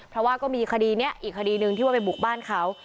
เพราะว่าก็มีคดีนี้อีกคดีหนึ่งที่ว่าไปบุกบ้านเขา